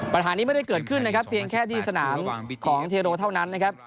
ปัญหานี้ไม่ได้เกิดขึ้นนะครับเพียงแค่ที่สนามของเทโรเท่านั้นนะครับ